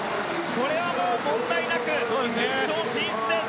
これはもう、問題なく決勝進出です。